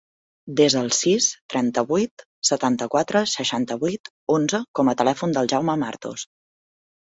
Desa el sis, trenta-vuit, setanta-quatre, seixanta-vuit, onze com a telèfon del Jaume Martos.